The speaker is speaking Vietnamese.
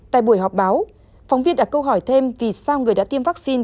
tại buổi họp báo phóng viên đặt câu hỏi thêm vì sao người đã tiêm vaccine